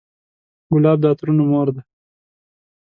ګلاب د عطرونو مور ده.